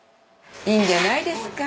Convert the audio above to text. いいんじゃないですか？